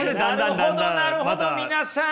なるほどなるほど皆さん！